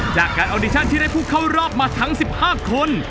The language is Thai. จากการออดิชั่นที่ได้ผู้เข้ารอบมาทั้ง๑๕คน